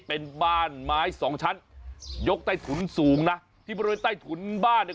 เป็นบ้านไม้สองชั้นยกใต้ถุนสูงนะที่บริเวณใต้ถุนบ้านเนี่ย